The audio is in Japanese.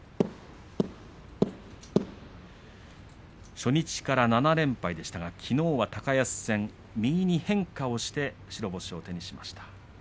初日から７連敗でしたがきのうは高安戦、右に変化をして白星を手にしました。